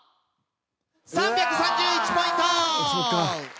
３３１ポイント！